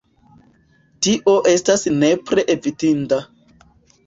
Tio estas nepre evitinda.